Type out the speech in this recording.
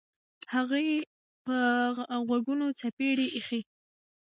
هغوی په غوږونو څپېړې ایښي دي.